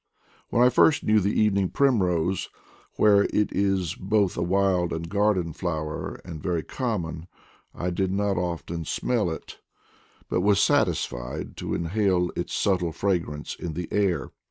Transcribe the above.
When I first knew the evening primrose, where it is both a wild and a garden flower and very com mon, I did not often smell at it, but was satisfied to inhale its subtle fragrance from the air.